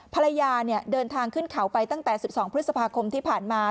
ภรรยาเดินทางขึ้นเขาไปตั้งแต่๑๒พฤษภาคมที่ผ่านมา